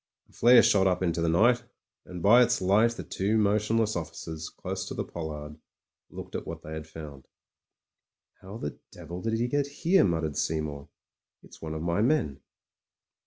A flare shot up into the night, and by its light the two motionless officers close to the pollard looked at what they had found. "How the devil did he get here !" muttered Seymour. "It's one of my men."